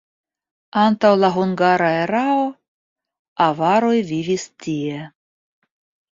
Antaŭ la hungara erao avaroj vivis tie.